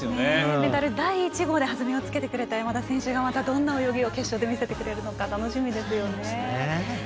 メダル第１号ではずみをつけてくれた山田選手がどんな泳ぎを決勝で見せてくれるのか楽しみですね。